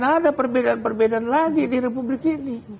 gak akan ada perbedaan perbedaan lagi di republik ini